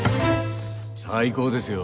最高ですよ。